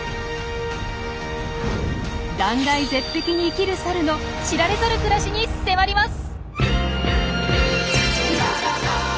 断崖絶壁に生きるサルの知られざる暮らしに迫ります！